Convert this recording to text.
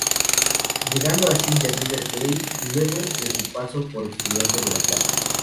Llegando así de River Plate, luego de su paso por Estudiantes de La Plata.